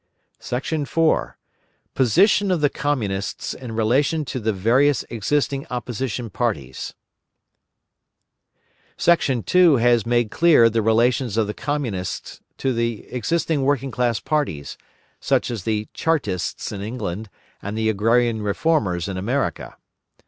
IV. POSITION OF THE COMMUNISTS IN RELATION TO THE VARIOUS EXISTING OPPOSITION PARTIES Section II has made clear the relations of the Communists to the existing working class parties, such as the Chartists in England and the Agrarian Reformers in America.